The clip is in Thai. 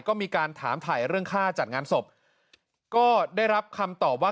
ก็มีการถามถ่ายเรื่องค่าจัดงานศพก็ได้รับคำตอบว่า